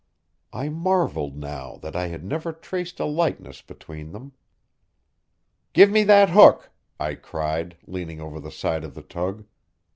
I marveled now that I had ever traced a likeness between them. "Give me that hook!" I cried, leaning over the side of the tug.